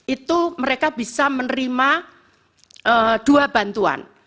itu mereka bisa menerima dua bantuan